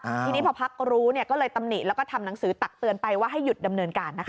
ทีนี้พอพักรู้เนี่ยก็เลยตำหนิแล้วก็ทำหนังสือตักเตือนไปว่าให้หยุดดำเนินการนะคะ